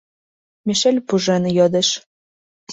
— Мишель пужен йодеш.